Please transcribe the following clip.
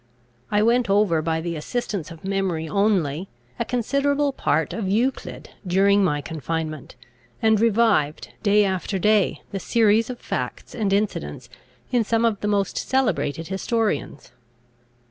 I went over, by the assistance of memory only, a considerable part of Euclid during my confinement, and revived, day after day, the series of facts and incidents in some of the most celebrated historians.